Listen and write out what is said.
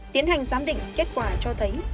tiến hành giám định kết quả cho thấy